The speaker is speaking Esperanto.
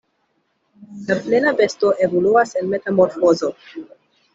La plena besto evoluas en metamorfozo.